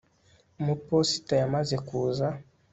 umuposita yamaze kuza